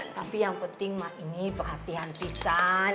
tapi yang penting mah ini perhatian pisan